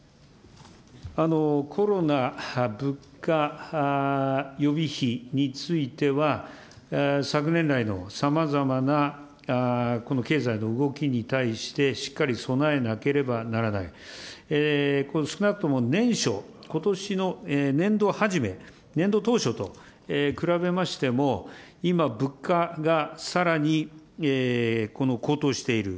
コロナ・物価予備費については、昨年来のさまざまなこの経済の動きに対して、しっかり備えなければならない、少なくとも年初、ことしの年度初め、年度当初と比べましても、今、物価がさらにこの高騰している。